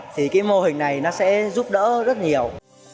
thì mô hình này sẽ giúp đỡ rất nhiều